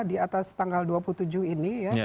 di atas tanggal dua puluh tujuh ini ya